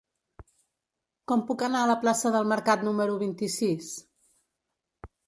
Com puc anar a la plaça del Mercat número vint-i-sis?